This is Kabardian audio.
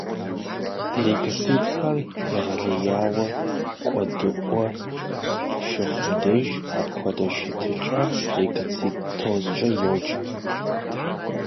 Лейкоцитхэр егъэлеяуэ куэдыӏуэ щыхъум деж, апхуэдэ щытыкӏэм лейкоцитозкӏэ йоджэ.